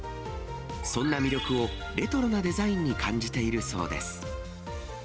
そんな魅力を、レトロなデザインに感じているそうです。